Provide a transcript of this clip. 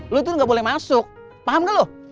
lu tuh gak boleh masuk paham gak loh